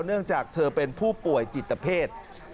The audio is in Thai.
เนื่องจากเธอเป็นผู้ป่วยจิตเพศ